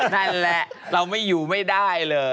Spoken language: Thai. นั่นแหละเราไม่อยู่ไม่ได้เลย